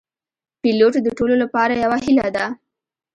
پیلوټ د ټولو لپاره یو هیله ده.